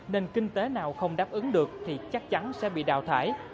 nền kinh tế nào không đáp ứng được thì chắc chắn sẽ bị đào thải